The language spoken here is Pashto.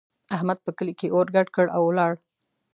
احمد په کلي کې اور ګډ کړ او ولاړ.